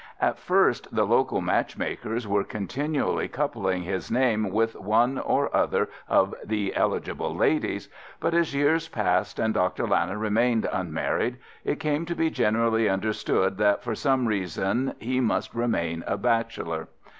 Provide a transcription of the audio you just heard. At first the local match makers were continually coupling his name with one or other of the eligible ladies, but as years passed and Dr. Lana remained unmarried, it came to be generally understood that for some reason he must remain a bachelor.